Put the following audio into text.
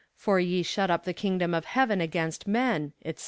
for ye shut up the kingdom of heaven against men," etc.